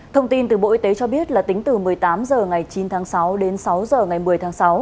thông tin từ bộ y tế cho biết là tính từ một mươi tám h ngày chín tháng sáu đến sáu h ngày một mươi tháng sáu